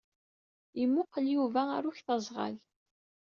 Yemmuqqel Yuba ɣer uktaẓɣal.